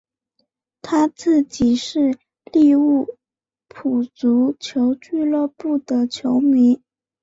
他自己是利物浦足球俱乐部的球迷。